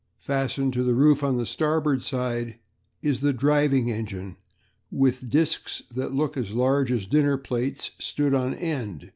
Fastened to the roof on the starboard side is the diving engine, with discs that look as large as dinner plates stood on end.